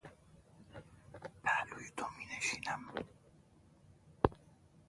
پهلوی تو مینشینم.